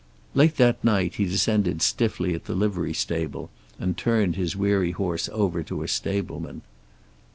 Late that night he descended stiffly at the livery stable, and turned his weary horse over to a stableman.